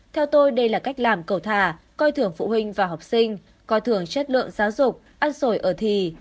theo tôi đây là cách làm cầu thả coi thường phụ huynh và học sinh coi thường chất lượng giáo dục ăn sổi ở thì